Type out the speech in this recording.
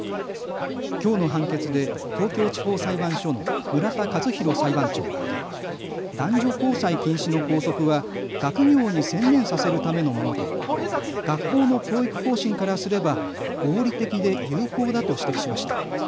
きょうの判決で東京地方裁判所の村田一広裁判長は男女交際禁止の校則は学業に専念させるためのもので学校の教育方針からすれば合理的で有効だと指摘しました。